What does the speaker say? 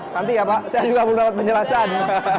nanti ya pak saya juga belum dapat penjelasan